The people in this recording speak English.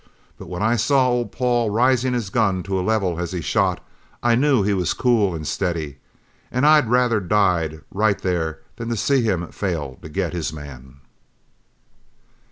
But when I saw old Paul raising his gun to a level as he shot, I knew he was cool and steady, and I'd rather died right there than see him fail to get his man."